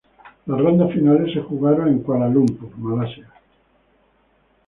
Las rondas finales se jugaron en Kuala Lumpur, Malasia.